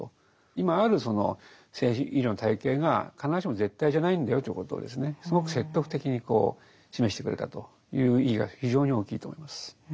今あるその精神医療の体系が必ずしも絶対じゃないんだよということをすごく説得的に示してくれたという意義が非常に大きいと思います。